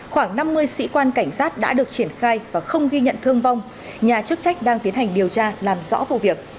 khoảng năm mươi sĩ quan cảnh sát đã được triển khai và không ghi nhận thương vong nhà chức trách đang tiến hành điều tra làm rõ vụ việc